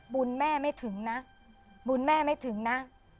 บุญแม่ไม่ถึงนะบุญแม่ไม่ถึงนะ